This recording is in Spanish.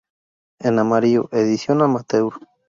En amarillo, edición amateur.